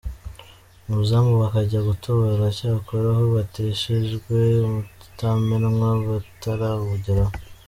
umuzamu bakajya gutobora cyakora ho bateshejwe umutamenwa batarawugeraho!.